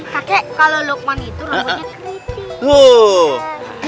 kakek kalau lukman itu rambutnya